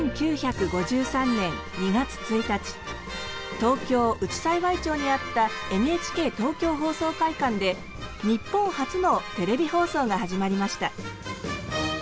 東京・内幸町にあったＮＨＫ東京放送会館で日本初のテレビ放送が始まりました。